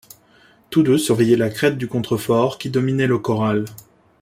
Tous deux surveillaient la crête du contrefort qui dominait le corral.